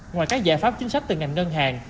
ngoài các giải pháp chính sách từ ngành ngân hàng